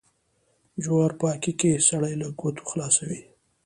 جوار پاکي کې سړی له گوتو خلاصوي.